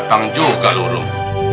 datang juga lu rom